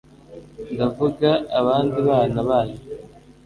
ndavuga abandi bana banyu